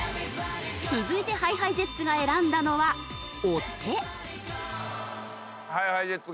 続いてＨｉＨｉＪｅｔｓが選んだのはお手。ＨｉＨｉＪｅｔｓ